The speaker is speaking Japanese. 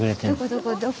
どこどこ？